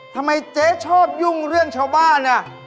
ทำไมเจ๊ชอบยุ่งเรื่องชาวบ้าน